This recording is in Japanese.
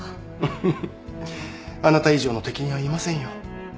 フフッあなた以上の適任はいませんよ